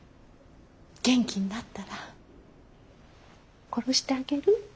元気になったら殺してあげる。